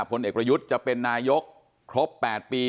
พ่นเอกวัยยุทธ์จะเป็นนายรัฐมนตรีครบ๘ปี